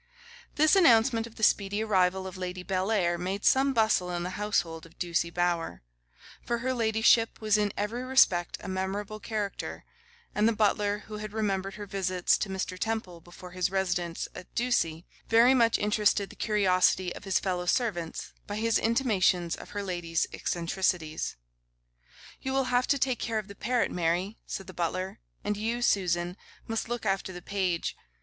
This announcement of the speedy arrival of Lady Bellair made some bustle in the household of Ducie Bower; for her ladyship was in every respect a memorable character, and the butler who had remembered her visits to Mr. Temple before his residence at Ducie, very much interested the curiosity of his fellow servants by his intimations of her ladyship's eccentricities. 'You will have to take care of the parrot, Mary,' said the butler; 'and you, Susan, must look after the page.